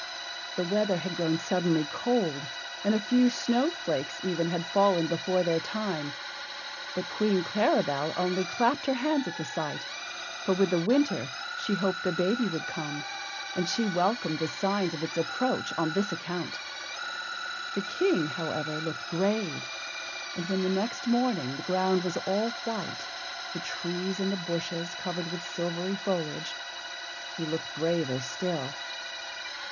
The weather had grown suddenly cold, and a few snowflakes even had fallen before their time. But Queen Claribel only clapped her hands at the sight, for with the winter she hoped the baby would come, and she welcomed the signs of its approach on this account. The King, however, looked grave, and when the next morning the ground was all white, the trees and the bushes covered with silvery foliage, he looked graver still.